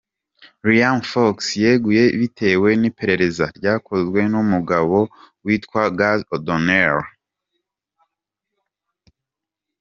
Liam Fox yeguye bitewe n'iperereza ryakozwe n'umugabo witwa Gus O'Donnel.